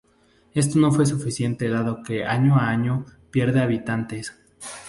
Esto no fue suficiente dado que año a año pierde habitantes.